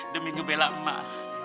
demi ngebela emak